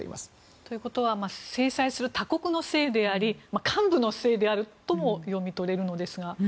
ということは制裁する他国のせいであり幹部のせいでもあると読み取れます。